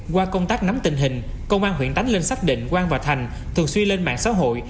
qua công tác nắm tình hình công an huyện tánh linh xác định quang và thành thường xuyên lên mạng xã hội